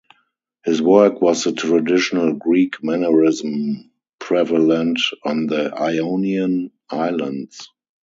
His work was the traditional Greek mannerism prevalent on the Ionian Islands.